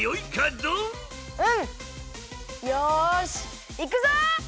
うん！よしいくぞ！